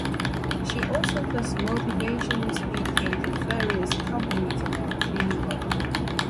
She also does motivational speaking to various companies about teamwork.